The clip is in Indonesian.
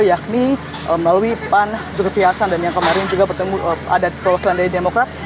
yakni melalui pan zulkifli hasan dan yang kemarin juga bertemu ada perwakilan dari demokrat